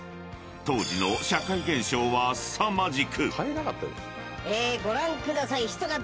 ［当時の社会現象はすさまじく］